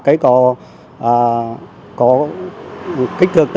khánh lê r thenh